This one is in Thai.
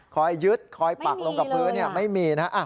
คอยยึดคอยปักลงกับพื้นไม่มีนะ